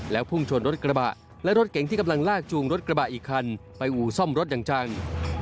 พุ่งชนรถกระบะและรถเก๋งที่กำลังลากจูงรถกระบะอีกคันไปอู่ซ่อมรถอย่างจัง